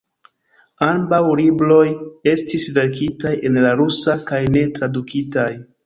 Ambaŭ libroj estis verkitaj en la rusa kaj ne tradukitaj.